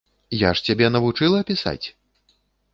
Я ж цябе навучыла пісаць?